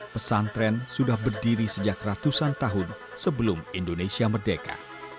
pesantren sudah berdiri sejak ratusan tahun sebelum indonesia merdeka